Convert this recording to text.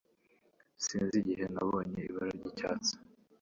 Sinzi igihe nabonye ibara ryi cyatsi